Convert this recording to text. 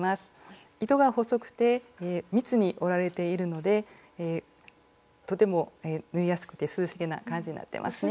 糸が細くて密に織られているのでとても縫いやすくて涼しげな感じになってますね。